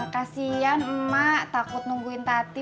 kasian emak takut nungguin tati